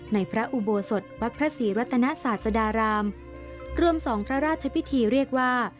ในพระอุโบสถวัดพระศรีรัตนศาสดารามรวมสองพระราชพิธีเรียกว่า